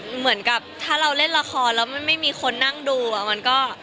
เหมือนกับถ้าเราเล่นละครแล้วมันไม่มีคนนั่งดูมันก็